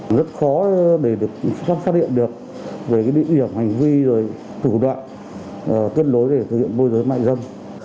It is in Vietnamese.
rất khó để được phát hiện được về địa điểm hành vi tử đoạn tuyên lối để thực hiện môi dưới mại dâm